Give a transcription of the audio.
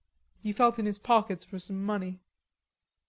He felt in his pockets for some money.